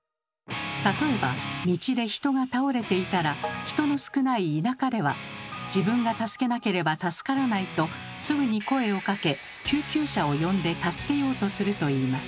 例えば道で人が倒れていたら人の少ない田舎では「自分が助けなければ助からない」とすぐに声をかけ救急車を呼んで助けようとするといいます。